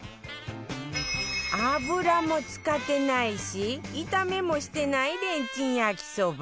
油も使ってないし炒めもしてないレンチン焼きそば